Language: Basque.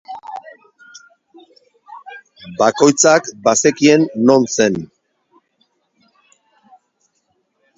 Bakoitzak bazekien non zen.